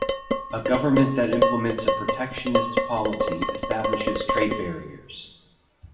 A government that implements a protectionist policy establishes trade barriers.